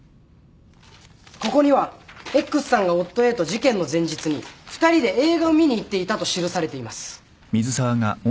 ここにはＸさんが夫Ａと事件の前日に２人で映画を見に行っていたと記されています。